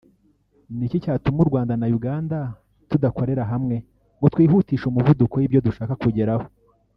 ni iki cyatuma u Rwanda na Uganda tudakorera hamwe ngo twihutishe umuvuduko w’ibyo dushaka kugeraho